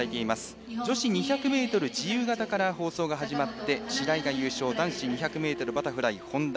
女子２００ｍ自由形から放送が始まって、白井が優勝男子２００ｍバタフライ、本多。